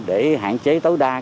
để hạn chế tối đa